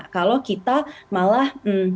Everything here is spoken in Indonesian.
kalau kita malah